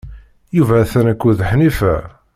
Yuba atan akked Ḥnifa.